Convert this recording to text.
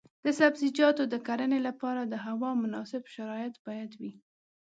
د سبزیجاتو د کرنې لپاره د هوا مناسب شرایط باید وي.